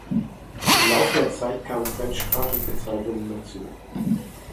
Im Laufe der Zeit kamen fremdsprachige Zeitungen dazu.